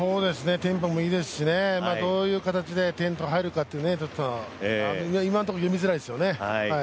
テンポもいいですしどういう形で点が入るかちょっと、今のところ読みづらいですよね。